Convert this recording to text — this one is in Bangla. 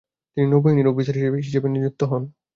তিনি নৌবাহিনীর অফিসার হিসাবে নিযুক্ত হন।